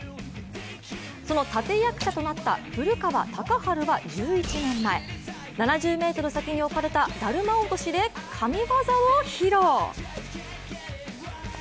その立て役者となった古川高晴は１１年前７０ｍ先にだるま落としで神業を披露。